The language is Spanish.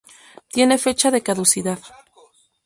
tienen fecha de caducidad